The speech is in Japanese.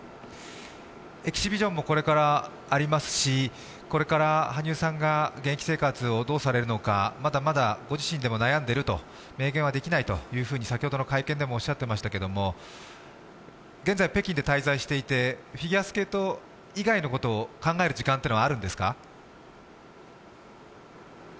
エキシビションもこれからありますし、これから羽生さんが現役生活をどうされるのかまだまだご自身でも悩んでいると、明言はできないと先ほどの会見でもおっしゃってましたけど、現在北京で滞在していてフィギュアスケート以外のことを考える時間というのはあるんですか？